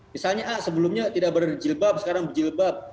misalnya sebelumnya tidak berjilbab sekarang berjilbab